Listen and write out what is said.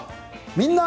「みんな！